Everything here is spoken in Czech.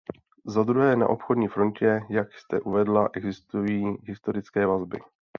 Zadruhé, na obchodní frontě, jak jste uvedla, existují historické vazby.